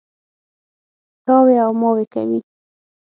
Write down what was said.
تاوې او ماوې کوي.